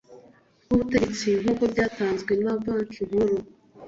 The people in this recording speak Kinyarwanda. rw ubutegetsi nk uko byatanzwe na banki nkuru